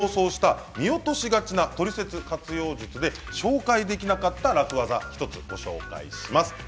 最後になりますが先日放送した見落としがちなトリセツ活用術で紹介できなかった楽ワザを２つご紹介します。